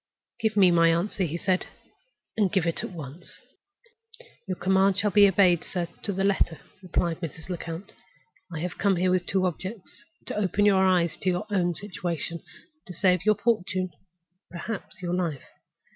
"Give me my answer," he said, "and give it at once." "Your commands shall be obeyed, sir, to the letter," replied Mrs. Lecount. "I have come here with two objects. To open your eyes to your own situation, and to save your fortune—perhaps your life.